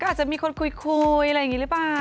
อาจจะมีคนคุยอะไรอย่างนี้หรือเปล่า